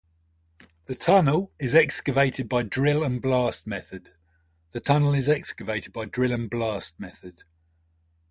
The tunnel is excavated by drill and blast method.